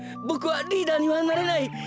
ボクはリーダーにはなれない。